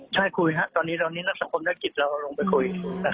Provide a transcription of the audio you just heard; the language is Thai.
ใช่คุยครับตอนนี้นักสังคมนักกิจเราเอาลงไปคุย